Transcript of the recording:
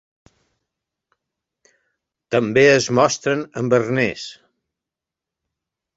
També es mostren amb arnès.